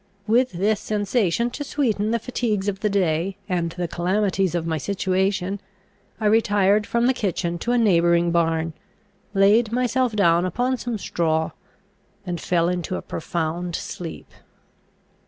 With this sensation to sweeten the fatigues of the day and the calamities of my situation, I retired from the kitchen to a neighbouring barn, laid myself down upon some straw, and fell into a profound sleep.